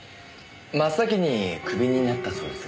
真っ先にクビになったそうですが。